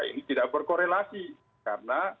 ini tidak berkorelasi karena